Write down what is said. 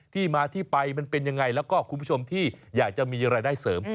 ที่มาที่ไปมันเป็นยังไงแล้วก็คุณผู้ชมที่อยากจะมีรายได้เสริม